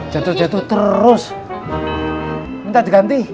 jatuh jatuh terus minta diganti